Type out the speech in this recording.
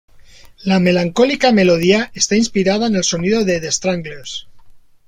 La melancólica melodía está inspirada en el sonido de The Stranglers.